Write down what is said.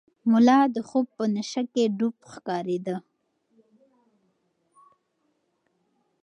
ملا د خوب په نشه کې ډوب ښکارېده.